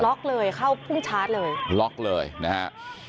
เลยเข้าพุ่งชาร์จเลยล็อกเลยนะฮะ